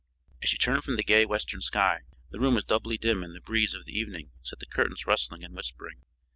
As she turned from the gay western sky, the room was doubly dim and the breeze of the evening set the curtains rustling and whispering.